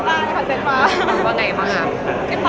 อันนี้เจ๋นมาจนเจ๋นป่ะ